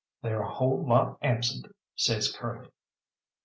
"They're a whole lot absent," says Curly.